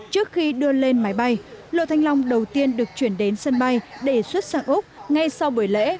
trước khi đưa lên máy bay lô thanh long đầu tiên được chuyển đến sân bay để xuất sang úc ngay sau buổi lễ